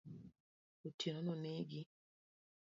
Otieno no negi.